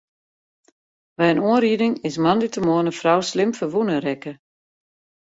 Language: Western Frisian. By in oanriding is moandeitemoarn in frou slim ferwûne rekke.